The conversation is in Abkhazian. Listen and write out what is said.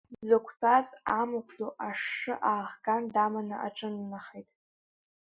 Дзықәтәаз амахә ду ашшы аахган даманы аҿыланахеит.